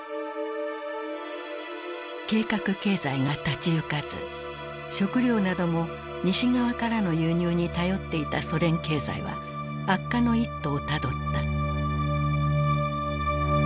計画経済が立ち行かず食料なども西側からの輸入に頼っていたソ連経済は悪化の一途をたどった。